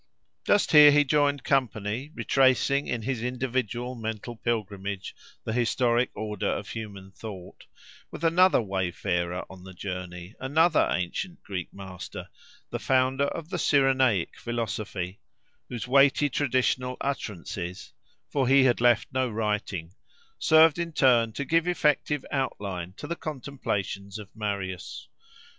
Just here he joined company, retracing in his individual mental pilgrimage the historic order of human thought, with another wayfarer on the journey, another ancient Greek master, the founder of the Cyrenaic philosophy, whose weighty traditional utterances (for he had left no writing) served in turn to give effective outline to the contemplations of Marius.